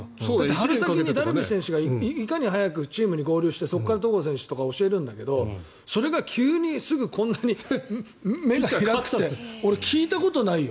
春先にダルビッシュ選手がいかに早くチームに合流してそこから戸郷選手とかを教えるんだけどそれが急にすぐこんなに芽が開くって俺、聞いたことないよ。